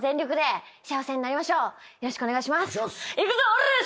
よろしくお願いします。